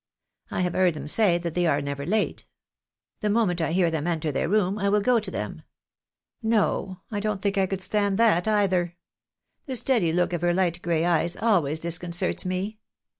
I have heard them say that they are never late. The moment I hear them enter their room I will go to them. No ! I don't think I could stand that either. The steady look of her light gray eyes always disconcerts me.